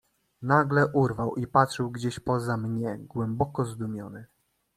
"Nagle urwał i patrzył gdzieś poza mnie, głęboko zdumiony."